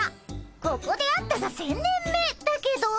ここで会ったが１，０００年目だけど。